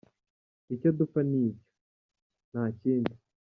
Icyo dupfa ni icyo, nta kindi.